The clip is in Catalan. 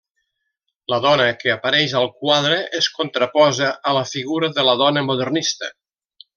La dona que apareix al quadre es contraposa a la figura de la dona modernista.